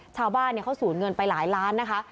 ชาวบ้านเขาสูญเงินไปหลายล้านนะคะ